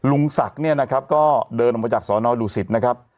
ลุงศักดิ์เนี่ยนะครับก็เดินออกมาจากสอนอดุสิตนะครับ